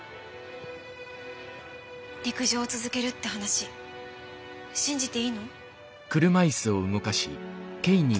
陸上続けるって話信じていいの？